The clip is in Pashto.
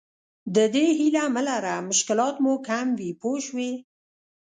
د دې هیله مه لره مشکلات مو کم وي پوه شوې!.